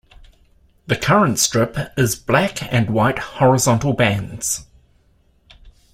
The current strip is black and white horizontal bands.